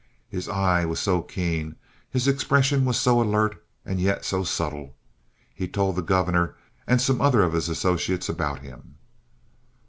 His eye was so keen; his expression was so alert, and yet so subtle. He told the governor and some other of his associates about him.